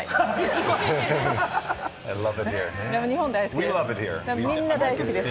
日本大好きです！